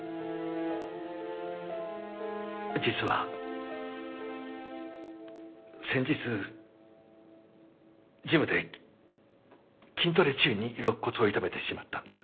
実は先日ジムで筋トレ中に肋骨を痛めてしまったんです。